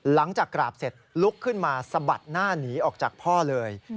หลังจากกราบเสร็จลุกขึ้นมาสะบัดหน้าหนีออกจากพ่อเลย